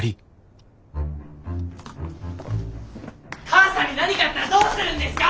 母さんに何かあったらどうするんですか！